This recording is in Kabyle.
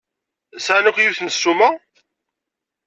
Sɛan akk yiwet n ssuma?